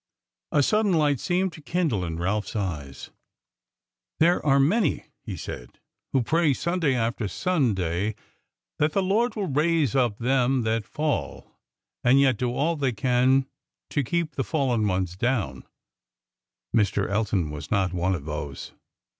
A sudden light seemed to kindle in Ralph's eyes. "There are many," he said, "who pray Sunday after Sunday that the Lord will raise up them that fall, and yet do all they can to keep the fallen ones down. Mr. Elton was not one of those.